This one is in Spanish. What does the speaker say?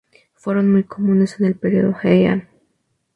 Fueron muy comunes en el período Heian.